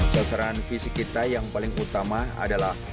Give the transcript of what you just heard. sasaran fisik kita yang paling utama adalah